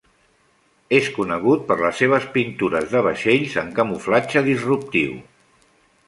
És conegut per les seves pintures de vaixells en camuflatge disruptiu.